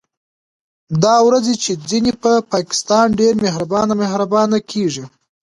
دا ورځې چې ځينې په پاکستان ډېر مهربانه مهربانه کېږي